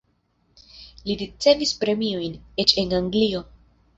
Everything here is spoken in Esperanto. Li ricevis premiojn, eĉ en Anglio.